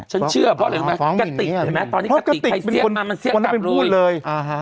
ฉันเชื่อเพราะอะไรไหมเพราะกระติกเห็นไหมเพราะกระติกใครเสียกมามันเสียกกลับเลย